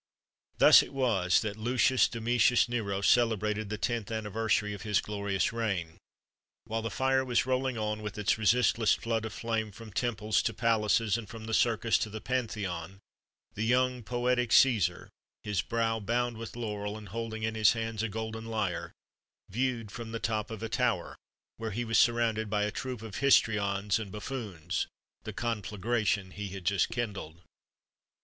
Thus it was that Lucius Domitius Nero celebrated the tenth anniversary of his glorious reign. While the fire was rolling on with its resistless flood of flame from temples to palaces, and from the Circus to the Pantheon, the young, poetic Cæsar, his brow bound with laurel, and holding in his hands a golden lyre, viewed from the top of a tower where he was surrounded by a troop of histrions and buffoons the conflagration he had just kindled.